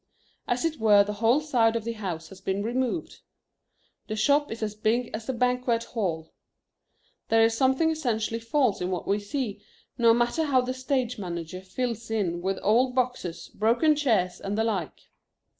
As it were the whole side of the house has been removed. The shop is as big as a banquet hall. There is something essentially false in what we see, no matter how the stage manager fills in with old boxes, broken chairs, and the like.